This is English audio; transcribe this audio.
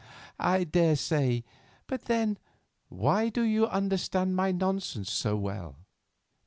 "I daresay; but then, why do you understand my nonsense so well?